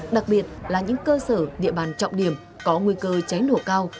đặc biệt là những cơ sở địa bàn trọng điểm có nguy cơ cháy nổ cao